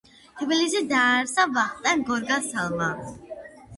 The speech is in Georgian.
თბილი დაარსა ვახტანგ გორგასალმა